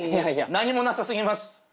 何もなさ過ぎます。